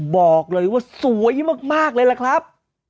บอกเลยว่าสวยมากเลยล่ะครับ